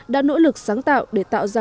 đã nỗ lực sáng tạo để tạo ra